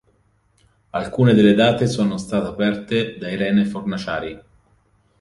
Alcune delle date sono state aperte da Irene Fornaciari.